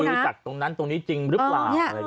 รู้จักตรงนั้นตรงนี้จริงหรือเปล่า